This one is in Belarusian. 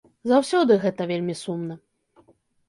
Заўсёды гэта вельмі сумна.